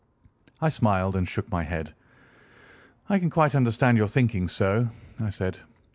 I smiled and shook my head. "I can quite understand your thinking so," I said.